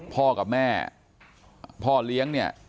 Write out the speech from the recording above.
พ่อกับแม่พ่อเลี้ยงเนี่ย